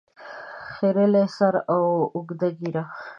خریلي سر او اوږده ږیره